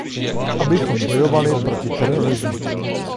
Abychom bojovali proti terorismu.